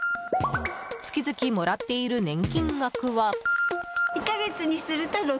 月々もらっている年金額は。